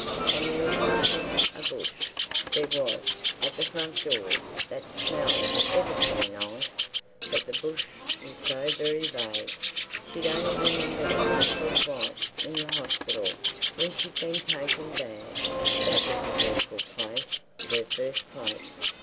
And there was something—a bush, there was—at the front door, that smelt ever so nice. But the bush was very vague. She'd only remembered it once or twice in the hospital, when she'd been taken bad. That was a dreadful place—her first place.